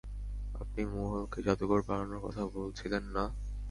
আপনি মহলকে জাদুঘর, বানানোর কথা বলছিলেন না?